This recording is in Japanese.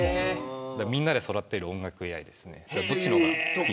みんなで育てる音楽ＡＩです。